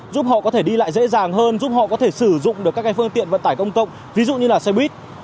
giúp họ có thể đi lại dễ dàng hơn giúp họ có thể sử dụng được các phương tiện vận tải công cộng ví dụ như là xe buýt